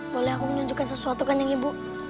boleh aku menunjukkan sesuatu kan yang ibu